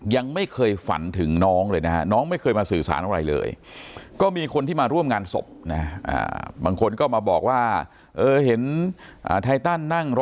ยังไม่เคยฝันถึงน้องเลยนะฮะ